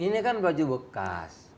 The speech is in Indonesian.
ini kan baju bekas